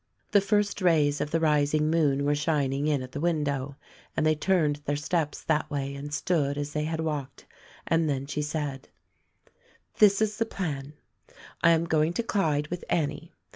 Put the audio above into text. The first rays of the rising moon were shining in at the window, and they turned their steps that way and stood as they had walked, and then she said: "This is the plan: I am going to Clyde with Annie.